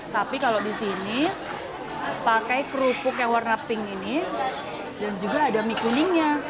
tapi kalau di sini pakai kerupuk yang warna pink ini dan juga ada mie kuningnya